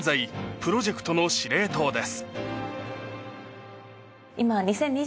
什プロジェクトの司令塔です。